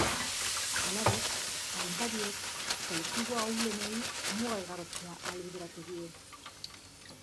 Halaber, agintariek kolektibo ahulenei muga igarotzea ahalbideratu die.